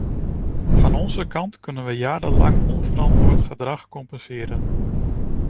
Van onze kant kunnen we jarenlang onverantwoord gedrag compenseren.